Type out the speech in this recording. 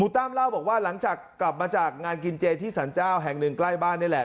ตั้มเล่าบอกว่าหลังจากกลับมาจากงานกินเจที่สรรเจ้าแห่งหนึ่งใกล้บ้านนี่แหละ